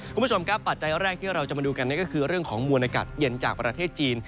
คุณผู้ชมครับปัจจัยแรกที่เราจะมาดูกันก็คือเรื่องของมวลอากาศเย็นจากประเทศจีน